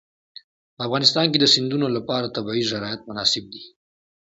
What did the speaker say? په افغانستان کې د سیندونه لپاره طبیعي شرایط مناسب دي.